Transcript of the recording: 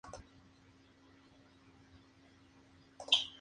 Fue disputado en la ciudad de Rancagua, en la principal medialuna de Chile.